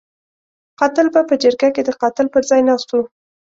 قاتل به په جرګه کې د قاتل پر ځای ناست وو.